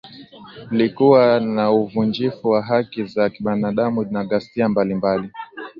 Plikuwa na uvunjifu wa haki za binadamu na ghasia mbalimbali